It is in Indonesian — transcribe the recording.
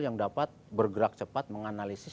yang dapat bergerak cepat menganalisis